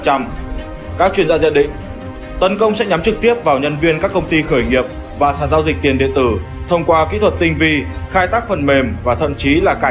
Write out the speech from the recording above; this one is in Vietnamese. các chuyên gia dự định tấn công sẽ nhắm trực tiếp vào nhân viên các công ty khởi nghiệp và sản giao dịch tiền điện tử thông qua kỹ thuật tinh vi khai tác phần mềm và thậm chí là tài sản số